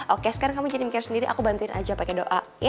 oke sekarang kamu jadi mikir sendiri aku bantuin aja pakai doa